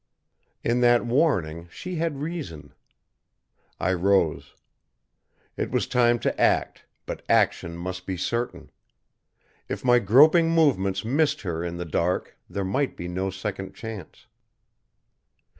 In that warning she had reason. I rose. It was time to act, but action must be certain. If my groping movements missed her in the dark there might be no second chance.